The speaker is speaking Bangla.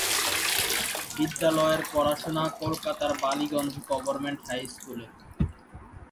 বিদ্যালয়ের পড়াশোনা কলকাতার বালিগঞ্জ গভর্নমেন্ট হাই স্কুলে।